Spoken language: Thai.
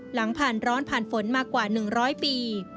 หลังผ่านร้อนผ่านฝนมากว่า๑๐๐ปี